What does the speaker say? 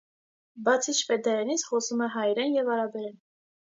Բացի շվեդերենից, խոսում է հայերեն և արաբերեն։